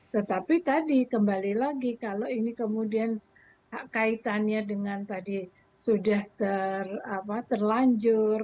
tetapi tadi kembali lagi kalau ini kemudian kaitannya dengan tadi sudah terlanjur